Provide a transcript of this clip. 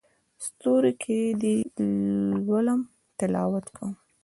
ستورو کې دې لولم تلاوت کوم